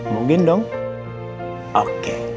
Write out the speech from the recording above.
mau gendong oke